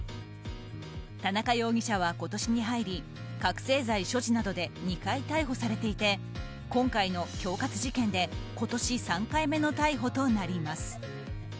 田中容疑者は今年に入り覚醒剤所持などで２回逮捕されていて今回の恐喝事件で今年３回目の逮捕となります。